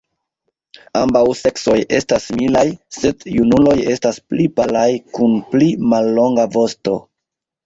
Ambaŭ seksoj estas similaj, sed junuloj estas pli palaj kun pli mallonga vosto.